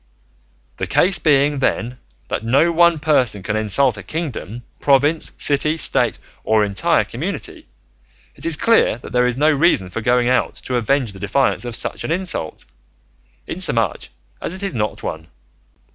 The case being, then, that no one person can insult a kingdom, province, city, state, or entire community, it is clear there is no reason for going out to avenge the defiance of such an insult, inasmuch as it is not one.